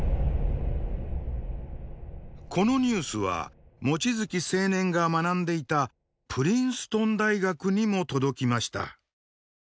このニュースは望月青年が学んでいたプリンストン大学にも届きました。